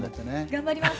頑張ります。